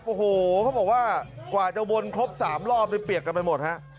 โอ้โหเขาบอกว่ากว่าจะวนครบ๓รอบนี่เปียกกันไปหมดฮะ